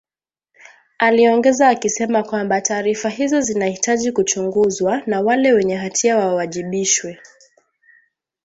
aliongeza akisema kwamba taarifa hizo zinahitaji kuchunguzwa na wale wenye hatia wawajibishwe